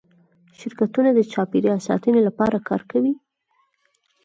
شرکتونه د چاپیریال ساتنې لپاره کار کوي؟